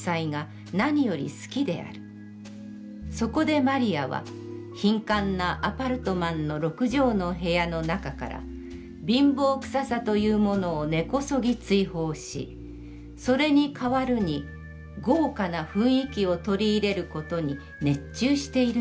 そこで魔利は貧寒なアパルトマンの六畳の部屋の中から、貧乏臭さというものを根こそぎ追放し、それに代るに豪華な雰囲気をとり入れることに、熱中しているのである。